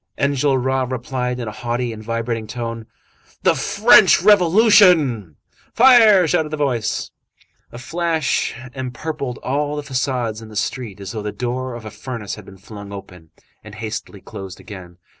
Enjolras replied in a haughty and vibrating tone:— "The French Revolution!" "Fire!" shouted the voice. A flash empurpled all the façades in the street as though the door of a furnace had been flung open, and hastily closed again.